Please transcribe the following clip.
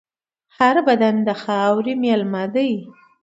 هر بدن د خاورې مېلمه دی.